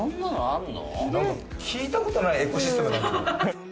聞いたことないエコシステムだ。